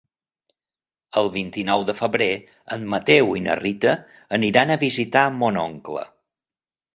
El vint-i-nou de febrer en Mateu i na Rita aniran a visitar mon oncle.